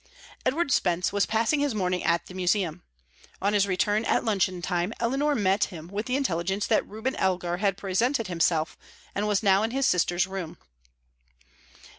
Edward Spence was passing his morning at the Museum. On his return at luncheon time, Eleanor met him with the intelligence that Reuben Elgar had presented himself, and was now in his sister's room.